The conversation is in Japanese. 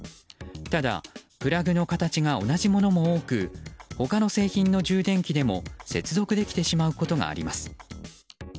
ただ、プラグの形が同じものもの多く他の製品の充電器でも接続できてしまうことがあります。